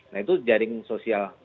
nah itu jaring sosial